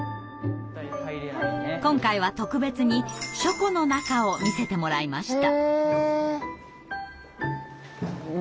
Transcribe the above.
今回は特別に書庫の中を見せてもらいました。